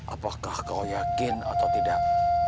apakah kau yakin atau tidak